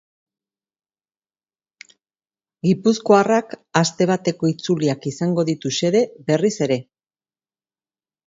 Gipuzkoarrak aste bateko itzuliak izango ditu xede berriz ere.